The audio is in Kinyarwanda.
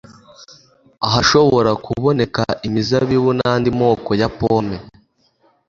Ahashobora kuboneka imizabibu n’andi moko ya pome,